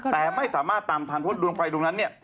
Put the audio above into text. แต่ไม่สามารถตามทานพวกดวงไฟดุนนั้น